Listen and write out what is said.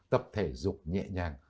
tập thể dục nhẹ nhàng